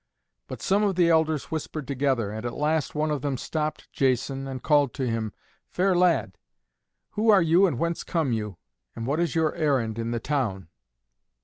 But some of the elders whispered together, and at last one of them stopped Jason and called to him, "Fair lad, who are you and whence come you, and what is your errand in the town?"